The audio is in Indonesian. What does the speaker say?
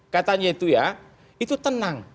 katanya itu ya itu tenang